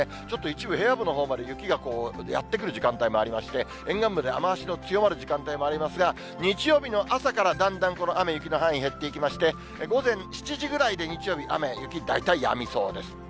ちょっと一部、平野部のほうまで雪がやって来る時間帯もありまして、沿岸部で雨足の強まる時間帯もありますが、日曜日の朝からだんだんこの雨、雪の範囲、減っていきまして、午前７時ぐらいで日曜日、雨、雪、大体やみそうです。